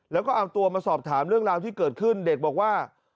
แล้วก็เอาตัวมาสอบถามเรื่องราวที่เกิดขึ้นเด็กบอกว่า